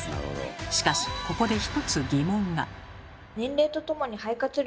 しかしここで一つ疑問が。